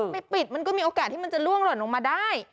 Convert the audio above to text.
ไม่ปิดมันก็มีโอกาสที่มันจะล่วงหล่นลงมาได้